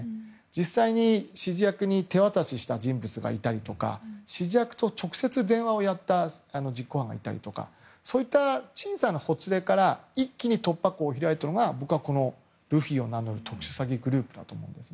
実際、指示役に手渡しした人物がいたり指示役と直接電話をやった実行犯がいたりとかそういった小さなほつれから一気に突破口を開いたのが僕は、このルフィを名乗る特殊詐欺グループだと思います。